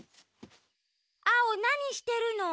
アオなにしてるの？